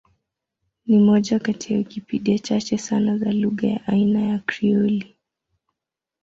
Ni moja kati ya Wikipedia chache sana za lugha ya aina ya Krioli.